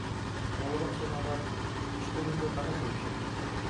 Бала бакчаны алар түштөрүндө гана көрүшөт.